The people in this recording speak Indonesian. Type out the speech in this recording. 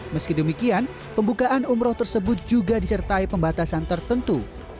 meski demikian pembukaan umroh tersebut juga disertai pembatasan tertentu